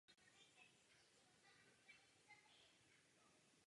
Pro návštěvu rezervace je potřeba získat povolení ke vstupu.